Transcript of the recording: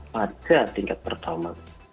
pada tingkat pertama